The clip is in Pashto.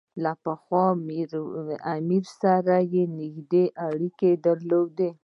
له پخواني امیر سره یې نېږدې اړیکې درلودې.